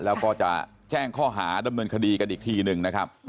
แล้วก็จะแจ้งข้อหาดำเนินคดีกันอีกทีหนึ่งนะครับ